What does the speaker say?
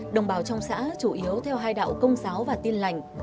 đồng bào trong xã chủ yếu theo hai đạo công giáo và tin lành